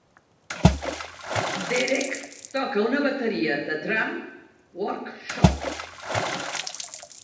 Derek toca una bateria de Drum Workshop.